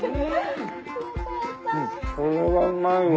これはうまいわ。